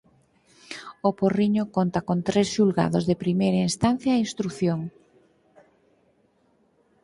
O Porriño conta con tres Xulgados de Primeira Instancia e Instrución.